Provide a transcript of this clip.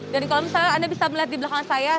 dan kalau misalnya anda bisa melihat di belakang saya